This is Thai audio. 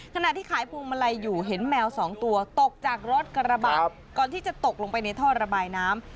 ขณะที่ขายพวงมาลัยอยู่เห็นแมวสองตัวตกจากรถกระบะก่อนที่จะตกลงไปในท่อระบายน้ำ